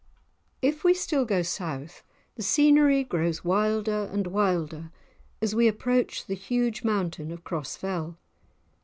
If we still go south, the scenery grows wilder and wilder as we approach the huge mountain of Cross Fell.